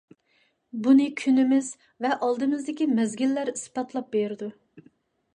بۇنى كۈنىمىز ۋە ئالدىمىزدىكى مەزگىللەر ئىسپاتلاپ بېرىدۇ.